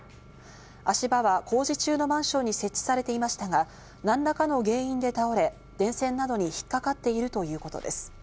足場は工事中のマンションに設置されていましたが、何らかの原因で倒れ、電線などに引っかかっているということです。